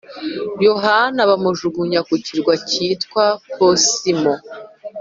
yohana bamujugunye ku kirwa cyitwa posimo